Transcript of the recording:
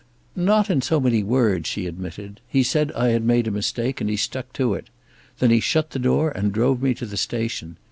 "Not in so many words," she admitted. "He said I had made a mistake, and he stuck to it. Then he shut the door and drove me to the station.